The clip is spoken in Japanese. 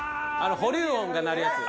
保留音が鳴るやつ。